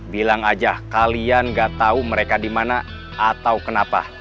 bilang aja kalian gak tau mereka dimana atau kenapa